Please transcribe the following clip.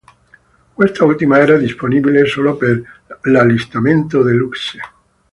Quest'ultima era disponibile solo per l'allestimento "Deluxe".